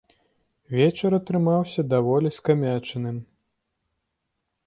Вечар атрымаўся даволі скамячаным.